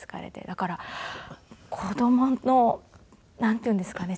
だから子供のなんていうんですかね